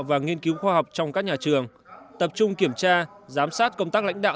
và nghiên cứu khoa học trong các nhà trường tập trung kiểm tra giám sát công tác lãnh đạo